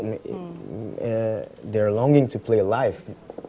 mereka berharga untuk main live